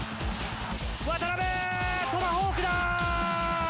渡邊、トマホークだ。